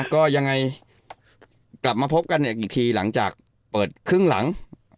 ก็ยังไงกลับมาพบกันอีกทีหลังจากเปิดครึ่งหลัง